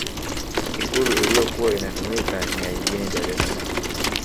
ikulu iliyokuwa inatumika ni ya jijini dar es salaam